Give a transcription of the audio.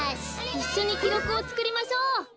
いっしょにきろくをつくりましょう。